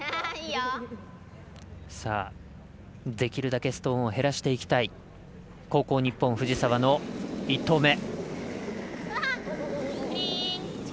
できるだけストーンを減らしていきたい後攻・日本、藤澤の１投目。